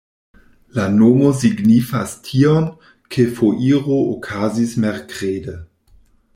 La nomo signifas tion, ke foiro okazis merkrede.